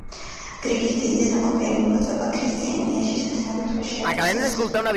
გრიგის დიდი და ნაყოფიერი მოღვაწეობა ქრისტიანიაში სათანადოდ ვერ შეაფასეს.